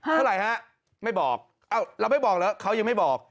เท่าไหร่ฮะไม่บอกเราไม่บอกเหรอเขายังไม่บอก